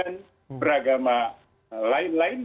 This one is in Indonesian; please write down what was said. yang bukan beragama christian muslim dan lain sebagainya